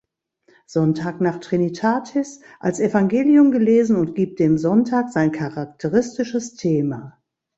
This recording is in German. Sonntag nach Trinitatis als Evangelium gelesen und gibt dem Sonntag sein charakteristisches Thema.